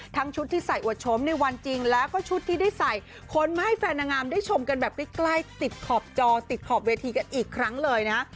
ชุดที่ใส่อวดชมในวันจริงแล้วก็ชุดที่ได้ใส่คนมาให้แฟนนางงามได้ชมกันแบบใกล้ติดขอบจอติดขอบเวทีกันอีกครั้งเลยนะ